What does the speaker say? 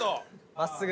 真っすぐ。